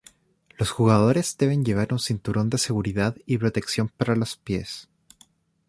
Los jugadores deben llevar un cinturón de seguridad y protección para los pies.